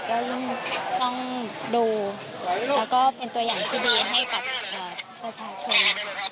ก็ต้องดูแล้วก็เป็นตัวอย่างที่ดีให้กับประชาชน